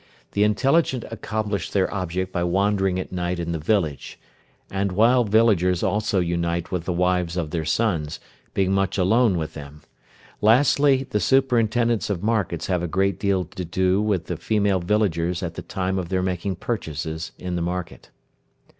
The intelligent accomplish their object by wandering at night in the village, and while villagers also unite with the wives of their sons, being much alone with them. Lastly the superintendents of markets have a great deal to do with the female villagers at the time of their making purchases in the market.